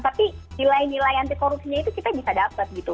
tapi nilai nilai anti korupsinya itu kita bisa dapat gitu